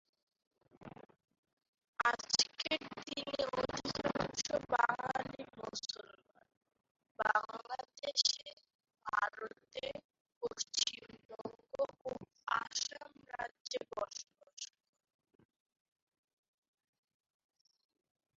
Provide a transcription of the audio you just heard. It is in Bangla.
আজকের দিনে অধিকাংশ বাঙালি মুসলমান বাংলাদেশে, ভারতের পশ্চিমবঙ্গ ও আসাম রাজ্যে বসবাস করে।